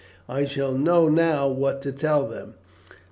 I shall know now what to tell them.